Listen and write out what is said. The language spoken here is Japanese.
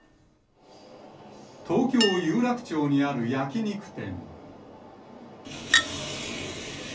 東京・有楽町にある焼き肉店。